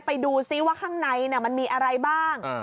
ไปดูซิว่าข้างในมันมีอะไรบ้าง